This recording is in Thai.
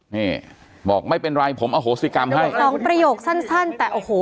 นี่บอกไม่เป็นไรผมอโหสิกรรมให้สองประโยคสั้นสั้นแต่โอ้โห